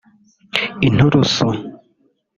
inturusu